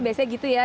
biasanya gitu ya